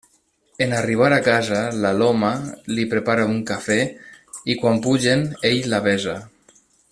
En arribar a casa, l'Aloma li prepara un cafè, i quan pugen, ell la besa.